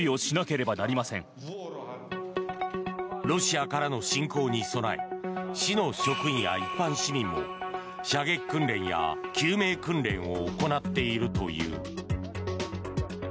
ロシアからの侵攻に備え市の職員や一般市民も射撃訓練や救命訓練を行っているという。